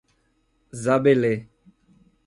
Zabelê